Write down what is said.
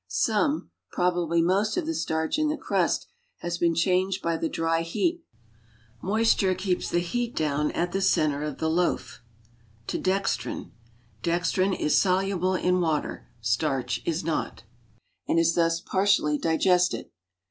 Some (probably most) of the starch in the crust has been changed by the dry heat (moisture keeps the heat down at the center of the loaf) to 75 dextrin (,dcxtriii is soluble in waLer, starch is not), and is thus partially digested.